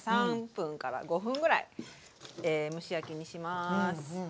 ３分から５分ぐらい蒸し焼きにします。